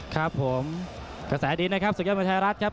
ครับผมกระแสดีนะครับสุดยอดมวยไทยรัฐครับ